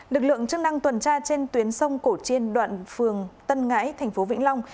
lực lượng chức năng tuần tra trên tuyến sông cổ chiên đoạn phường tân ngãi tp vĩnh long